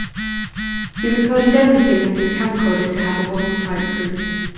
He recorded everything with his camcorder to have a watertight proof.